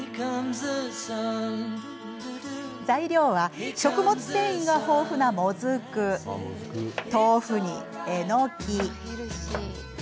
材料は食物繊維が豊富な、もずく豆腐に、えのき。